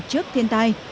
trước thiên tai